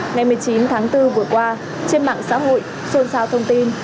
ngày một mươi chín tháng bốn vừa qua trên mạng xã hội xôn xao thông tin